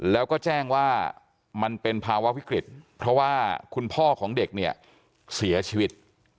แล้วก็แจ้งว่ามันเป็นภาวะวิกฤตเพราะว่าคุณพ่อของเด็กเนี่ยเสียชีวิต